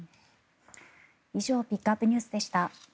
以上ピックアップＮＥＷＳでした。